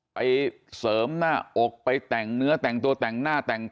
ไปเสริมหน้าอกไปแต่งเนื้อแต่งตัวแต่งหน้าแต่งตา